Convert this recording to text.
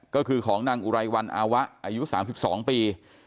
ก็คือของนางอุไรวันอาวะอายุ๓๒ปี